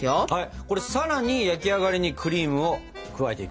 これさらに焼き上がりにクリームを加えていくと。